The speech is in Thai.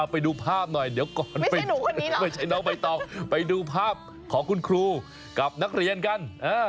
ไปดูภาพหน่อยเดี๋ยวก่อนไปต่อไปดูภาพของคุณครูกับนักเรียนกัน